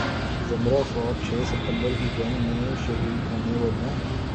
ذمرہ فوج چھ ستمبر کی جنگ میں شہید ہونے والوں